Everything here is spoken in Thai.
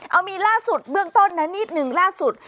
เอามีล่าสุดเบื้องต้นนะนิดหนึ่งล่าสุด